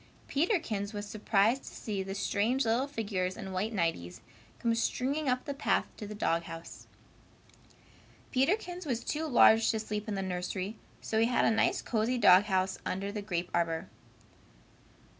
Peterkins was surprised to see the strange little figures in white nighties come stringing up the path to the dog house. Peterkins was too large to sleep in the nursery, so he had a nice cozy dog house under the grape arbor.